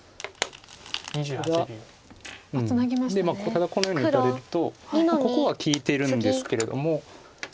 ただこのように打たれるとここは利いてるんですけれども。